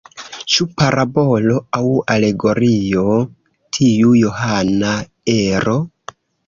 Ĉu parabolo aŭ alegorio tiu johana ero?